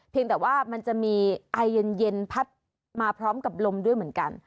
แต่ว่ามันจะมีไอเย็นพัดมาพร้อมกับลมด้วยเหมือนกัน